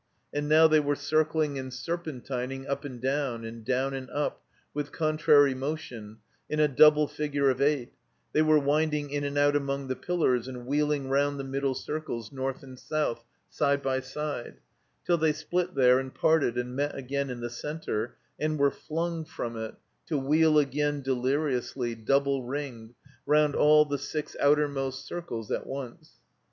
And now they were circUng and serpentining up and down, and down and up, with contrary motion, in a double figure of eight ; they were winding in and out among the pillars and wheeling round the middle circles north and south, side by side, till they spUt there and parted 28 THE COMBINED MAZE and met again in the center and were flung from it, to wheel again deliriously, double ringed, round all the six outermost circles at once.